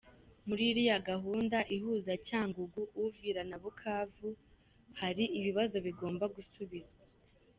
Muri iriya gahunda ihuza Cyangugu, Uvira na Bukavu, hari ibibazo bigomba gusubizwa :